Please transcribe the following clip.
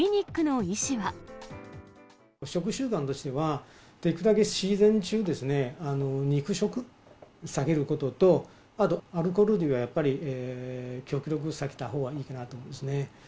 食習慣としては、できるだけシーズン中、肉食を避けることと、あとアルコール類はやっぱり極力避けたほうがいいかなと思います